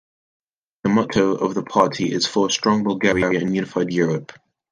The motto of the party is "For a Strong Bulgaria in Unified Europe".